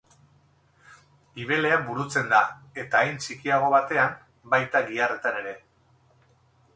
Gibelean burutzen da, eta hein txikiago batean baita giharretan ere.